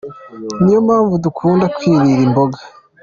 Niyo mpamvu dukunda kwirira imboga.